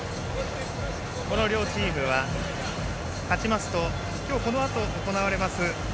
この両チームは勝ちますと今日、このあと行われます